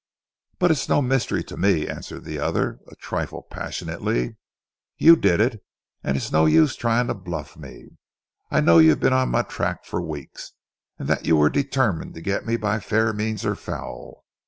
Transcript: "But it's no mystery to me," answered the other, a trifle passionately. "You did it, and it's no use trying to bluff me. I know you've been on my track for weeks, and that you were determined to get me by fair means or foul.